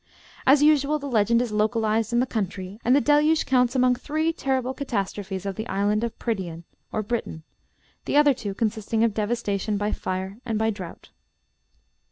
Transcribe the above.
As usual, the legend is localized in the country, and the Deluge counts among three terrible catastrophes of the island of Prydian, or Britain, the other two consisting of devastation by fire and by drought.